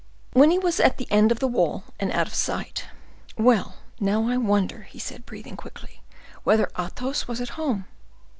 When he was at the end of the wall, and out of sight,—"Well, now, I wonder," said he, breathing quickly, "whether Athos was at home.